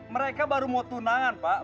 mereka baru mau tunangan pak